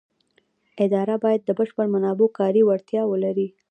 اداره باید د بشري منابعو کاري وړتیاوې ولري.